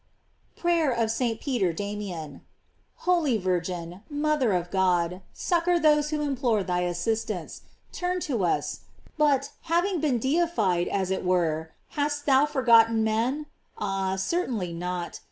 PRAYER OF ST. PETER DAMIAN. HOLY VIRGIN, mother of God, succor those who implore thy assistance. Turn to us. But, having been deified, as it were, hast thou for gotten men? Ah, certainly not.